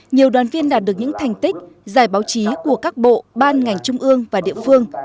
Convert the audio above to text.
nhiều đoàn viên đạt được những thành tích giải báo chí của các bộ ban ngành trung ương và địa phương